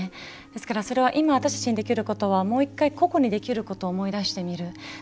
ですから、それは今私たちにできることは個々にできることを思い出してみる。